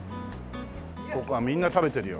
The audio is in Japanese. ここはみんな食べてるよ。